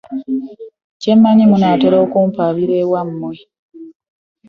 Kye mmanyi munaatera okumpaabira ewammwe.